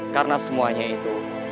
karena semuanya itu